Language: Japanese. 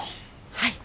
はい。